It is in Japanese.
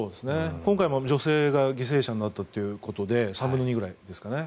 今回も女性が犠牲者になったということで３分の２ぐらいですかね。